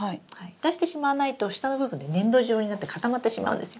出してしまわないと下の部分で粘土状になって固まってしまうんですよ。